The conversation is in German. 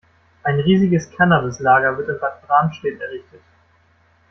Ein riesiges Cannabis-Lager wird in Bad Bramstedt errichtet.